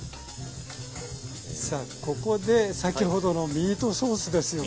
さあここで先ほどのミートソースですよね。